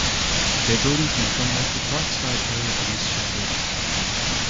Their buildings now dominate the Brightside area of East Sheffield.